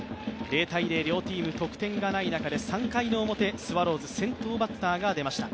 ０−０両チーム得点がない中で３回表スワローズ先頭バッターがでました。